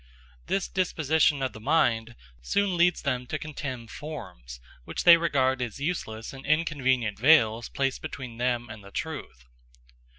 This disposition of the mind soon leads them to contemn forms, which they regard as useless and inconvenient veils placed between them and the truth.